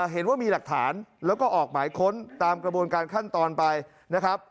เห็นว่ามีหลักฐานแล้วก็ออกหมายค้นตามกระบวนการขั้นตอนไปนะครับ